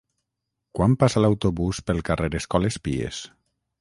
Quan passa l'autobús pel carrer Escoles Pies?